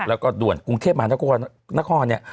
แล้วก็ด่วนกรุงเทพฯมานักฮอล